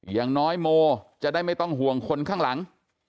อย่างน้อยโมจะได้ไม่ต้องห่วงคนข้างหลัง